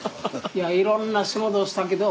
いろんな仕事をしたけど。